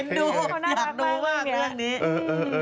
ดูอยากดูมากเรื่องนี้